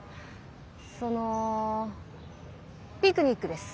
そのピクニックです。